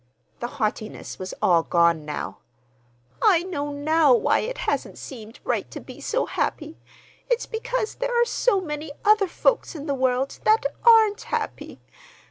The haughtiness was all gone now "I know now why it hasn't seemed right to be so happy. It's because there are so many other folks in the world that aren't happy.